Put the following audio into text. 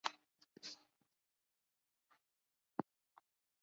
匙指虾科是匙指虾总科之下唯一的一个科。